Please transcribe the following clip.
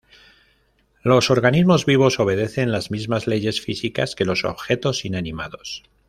Los organismos vivos obedecen las mismas leyes físicas que los objetos inanimados.